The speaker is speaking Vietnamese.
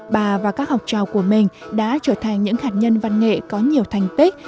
bà và các học trò của mình đã trở thành những hạt nhân văn nghệ có nhiều thành tích